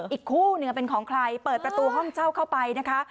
อีกคู่หนึ่งเป็นของใครเปิดประตูห้องเช่าเข้าไปนะคะ